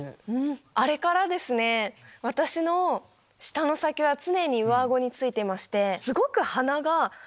あれから私の舌の先は常に上顎についてまして。